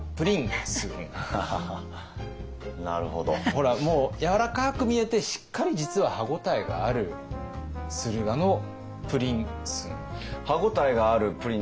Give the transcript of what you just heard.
ほらもうやわらかく見えてしっかり実は歯ごたえがある駿河のプリンス。